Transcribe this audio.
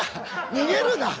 逃げるな！